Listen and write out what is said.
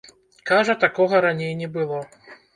Кажа, такога раней не было.